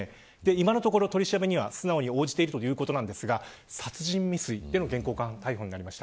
今のところ取り調べには素直に応じているということですが殺人未遂での現行犯逮捕です。